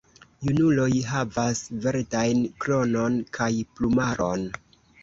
Junuloj havas verdajn kronon kaj plumaron.